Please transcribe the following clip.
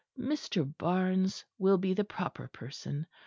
Mr. Barnes will be the proper person.